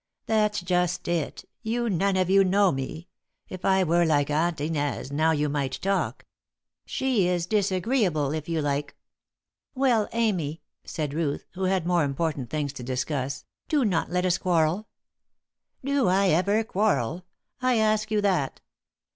"That's just it; you none of you know me. If I were like Aunt Inez, now, you might talk; she is disagreeable, if you like." "Well, Amy," said Ruth, who had more important things to discuss, "do not let us quarrel." "Do I ever quarrel? I ask you that!"